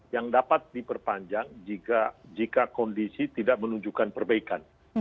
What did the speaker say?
yang dapat diperpanjang jika kondisi tidak menunjukkan perbaikan